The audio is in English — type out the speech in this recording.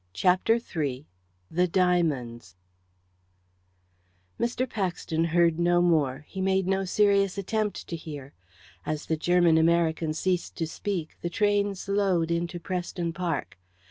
CHAPTER III THE DIAMONDS Mr. Paxton heard no more he made no serious attempt to hear. As the German American ceased to speak the train slowed into Preston Park.